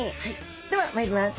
ではまいります。